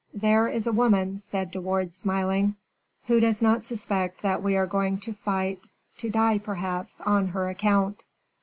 "There is a woman," said De Wardes, smiling, "who does not suspect that we are going to fight to die, perhaps, on her account."